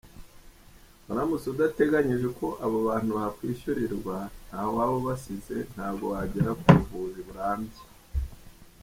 Uramutse udateganyije uko abo bantu bakwishyurirwa, ntaho waba ubasize ntabwo wagera ku buvuzi burambye.